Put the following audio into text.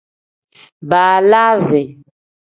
Baalasi.